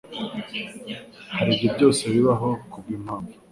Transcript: Ahari ibyo byose bibaho kubwimpamvu.